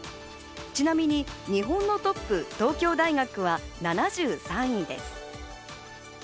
ちなみに日本のトップ・東京大学は７３位です。